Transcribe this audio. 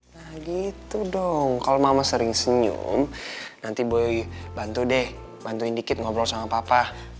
nah gitu dong kalau mama sering senyum nanti boleh bantu deh bantuin dikit ngobrol sama papa